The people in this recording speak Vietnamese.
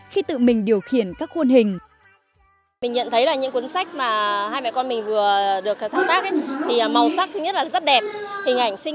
khi tự mình điều khiển các khuôn hình